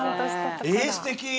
ええすてき。